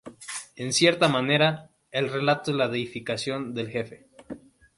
En cierta manera, el relato es la deificación del jefe.